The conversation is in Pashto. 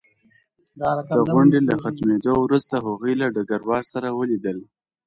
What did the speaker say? د غونډې له ختمېدو وروسته هغوی له ډګروال سره ولیدل